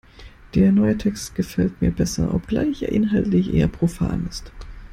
Der neue Text gefällt mir besser, obgleich er inhaltlich eher profan ist.